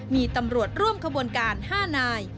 มีตำรวจร่วมขบวนการ๕นาย